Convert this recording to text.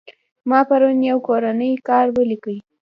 ما پرون يو کورنى کار وليکى.